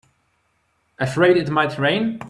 Afraid it might rain?